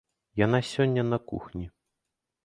Яна сёння на кухні.